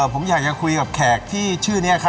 ผมอยากจะคุยกับแขกที่ชื่อนี้ครับ